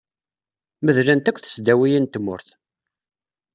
Medlent akk tesdawiyin n tmurt.